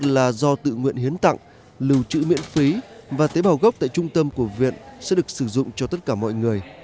là do tự nguyện hiến tặng lưu trữ miễn phí và tế bào gốc tại trung tâm của viện sẽ được sử dụng cho tất cả mọi người